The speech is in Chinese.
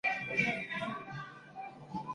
从前面公司进行再造的经验中进行学习。